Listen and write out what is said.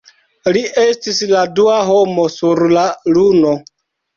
Li estis la dua homo sur la Luno.